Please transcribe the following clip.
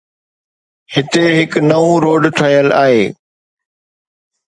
هتي هڪ نئون روڊ ٺهيل آهي.